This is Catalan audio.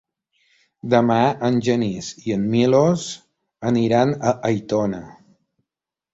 Demà en Genís i en Milos aniran a Aitona.